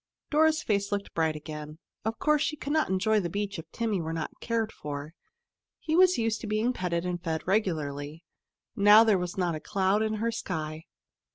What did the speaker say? Dora's face looked bright again. Of course she could not enjoy the beach if Timmy were not cared for. He was used to being petted and fed regularly. Now there was not a cloud in her sky.